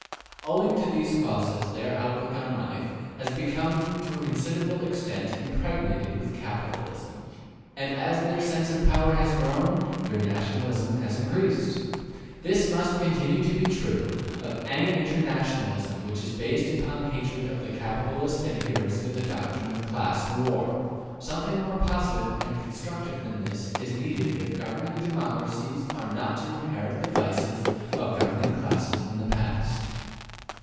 Owing to these causes their outlook on life has become to a considerable extent impregnated with capitalism and as their sense of power has grown, their nationalism has increased. This must continue to be true of any internationalism which is based upon hatred of the capitalist and adherence to the doctrine of the class war. Something more positive and constructive than this is needed if governing democracies are not to inherit the vices of governing classes in the past.